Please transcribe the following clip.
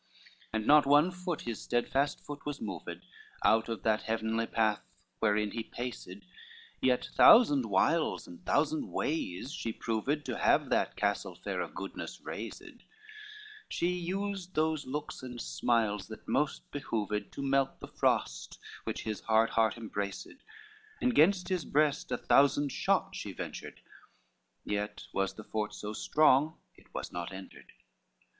LXIII And not one foot his steadfast foot was moved Out of that heavenly path, wherein he paced, Yet thousand wiles and thousand ways she proved, To have that castle fair of goodness raised: She used those looks and smiles that most behoved To melt the frost which his hard heart embraced, And gainst his breast a thousand shot she ventured, Yet was the fort so strong it was not entered.